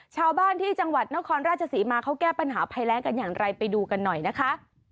ชาวบ้านที่จังหวัดนครราชศรีมาเขาแก้ปัญหาภัยแรงกันอย่างไรไปดูกันหน่อยนะคะ